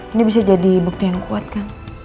ini bisa jadi bukti yang kuat kan